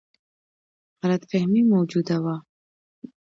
غلط فهمي موجوده وه.